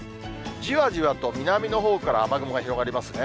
じわじわと南のほうから雨雲が広がりますね。